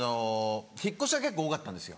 引っ越しが結構多かったんですよ。